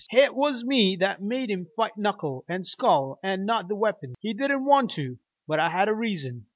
Hit was me that made him fight knuckle an' skull an' not with weapons. He didn't want to, but I had a reason.